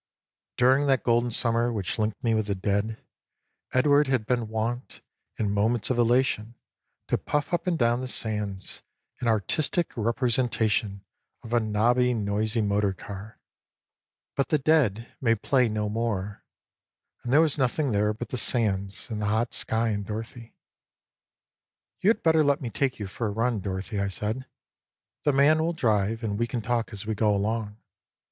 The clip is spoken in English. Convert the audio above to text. During that golden summer which linked me with the dead, Edward had been wont, in moments of elation, to puff up and down the sands, in artistic representation of a nobby, noisy motor car. But the dead 110 THE PASSING OF EDWARD may play no more, and there was nothing there but the sands and the hot sky and Dorothy. " You had better let me take you for a run, Dorothy," I said. " The man will drive, and we can talk as we go along."